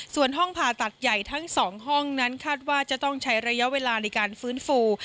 ส่วนห้องผ่าตัดใหญ่ทั้ง๒ห้องนั้นคาดว่าจะต้องใช้ระยะเวลาในการฟื้นฟู